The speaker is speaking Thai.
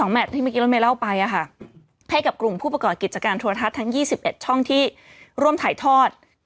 แมทที่เมื่อกี้รถเมย์เล่าไปให้กับกลุ่มผู้ประกอบกิจการโทรทัศน์ทั้ง๒๑ช่องที่ร่วมถ่ายทอด